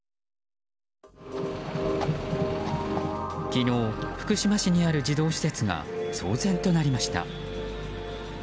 昨日、福島市にある児童施設が騒然となりました。